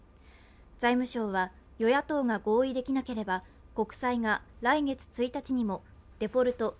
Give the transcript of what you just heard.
財務省は、与野党が合意できなければ国債が来月１日にもデフォルト＝